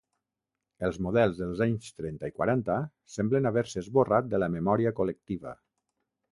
Els models dels anys trenta i quaranta semblen haver-se esborrat de la memòria col·lectiva.